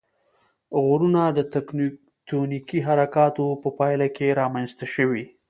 غرونه د تکتونیکي حرکاتو په پایله کې رامنځته شوي.